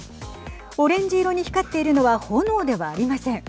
オレンジ色に光っているのは炎ではありません。